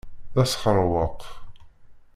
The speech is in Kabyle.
D asxeṛweq.